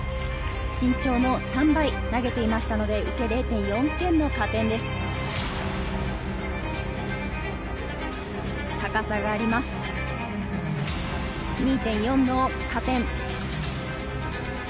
身長の３倍投げていたので受け０．４点の加点です。